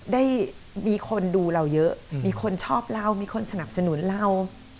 ได้มีคนดูเราเยอะมีคนชอบเรามีคนสนับสนุนเรา